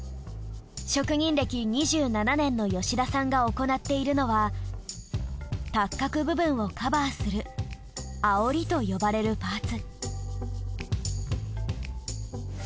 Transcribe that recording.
職人歴２７年の吉田さんが行っているのは託革部分をカバーするあおりと呼ばれるパーツ。